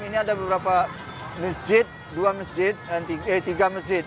ini ada beberapa masjid dua masjid eh tiga masjid